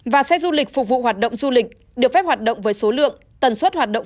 và xe du lịch phục vụ hoạt động du lịch được phép hoạt động với số lượng tần suất hoạt động